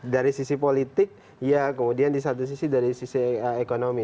dari sisi politik ya kemudian di satu sisi dari sisi ekonomi